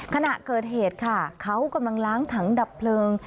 ขณะเกิดเหตุค่ะเขากำลังล้างถังดับเพลิง